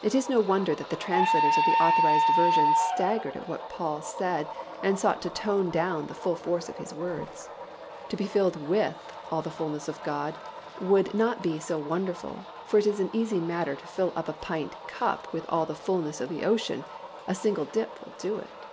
It is no wonder that the translators of the Authorized Version staggered at what Paul said and sought to tone down the full force of his words. To be filled with all the fullness of God would not be so wonderful, for it is an easy matter to fill a pint cup with all the fullness of the ocean, a single dip will do it.